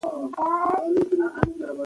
د ټولنې ملاتړ د نجونو د زده کړې لپاره مهم دی.